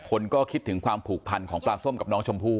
คนก็คิดถึงความผูกพันของปลาส้มกับน้องชมพู่